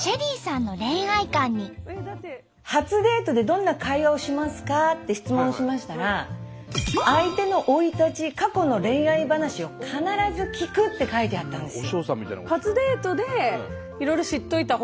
ここで話は変わりって質問をしましたら「相手の生い立ち過去の恋愛話を必ず聞く」って書いてあったんです。